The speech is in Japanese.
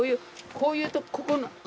こういうとこここの。